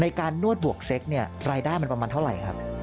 การนวดบวกเซ็กเนี่ยรายได้มันประมาณเท่าไหร่ครับ